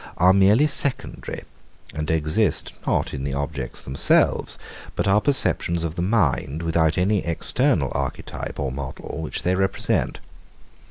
are merely secondary, and exist not in the objects themselves, but are perceptions of the mind, without any external archetype or model, which they represent.